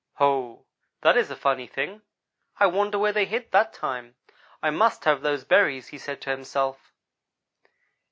"'Ho! that is a funny thing. I wonder where they hid that time. I must have those berries!' he said to himself.